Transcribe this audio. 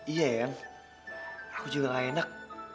iya yan aku juga nggak enak